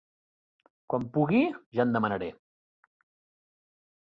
Quan pugui ja en demanaré.